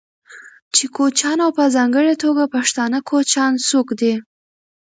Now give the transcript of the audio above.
چې کوچيان او په ځانګړې توګه پښتانه کوچيان څوک دي،